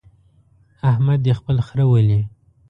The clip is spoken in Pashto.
احمد دې خپل خره ولي.